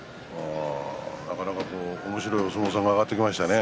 なかなかおもしろいお相撲さんが上がってきましたね。